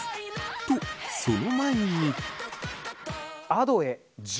と、その前に。